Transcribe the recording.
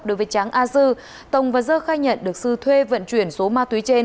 đối với tráng a dơ tồng và dơ khai nhận được sư thuê vận chuyển số ma túy trên